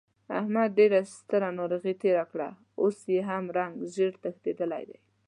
احمد ډېره سخته ناروغۍ تېره کړه، اوس یې هم رنګ زېړ تښتېدلی دی.